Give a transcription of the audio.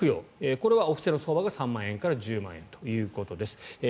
これはお布施の相場が３万円から１０万円ということです。